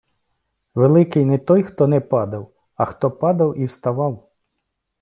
Великий не той хто не падав, а хто падав і вставав